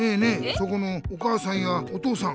そこのお母さんやお父さん。